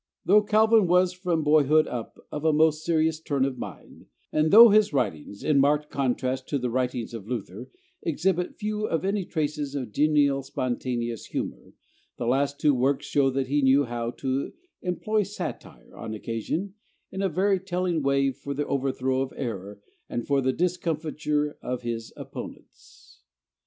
Though Calvin was from boyhood up of a most serious turn of mind, and though his writings, in marked contrast to the writings of Luther, exhibit few if any traces of genial spontaneous humor, the last two works show that he knew how to employ satire on occasion in a very telling way for the overthrow of error and for the discomfiture of his opponents.